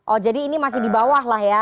oh jadi ini masih di bawah lah ya